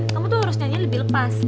kamu tuh harus nyanyinya lebih lepas